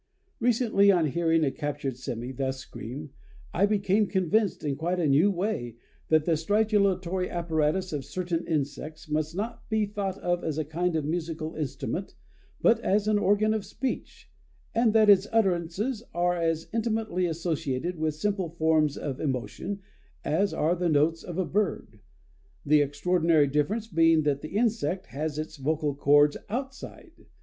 Recently, on hearing a captured sémi thus scream, I became convinced in quite a new way that the stridulatory apparatus of certain insects must not be thought of as a kind of musical instrument, but as an organ of speech, and that its utterances are as intimately associated with simple forms of emotion, as are the notes of a bird, the extraordinary difference being that the insect has its vocal chords outside.